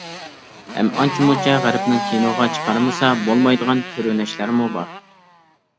ھەم ئانچە مۇنچە غەربنىڭ كىنوغا چىقارمىسا بولمايدىغان كۆرۈنۈشلەرمۇ بار.